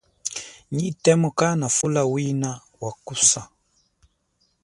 Nyi temo kanafula wina wakusa.